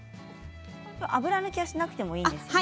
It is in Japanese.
油抜きはしなくていいんですよね。